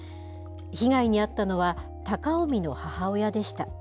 被害に遭ったのは、貴臣の母親でした。